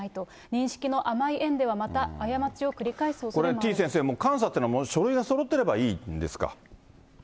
認識の甘い園ではまた、これ、てぃ先生、監査というのは書類がそろってればいいんですか？